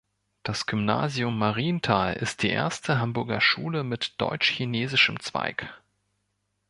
Das Gymnasium Marienthal ist die erste Hamburger Schule mit deutsch-chinesischem Zweig.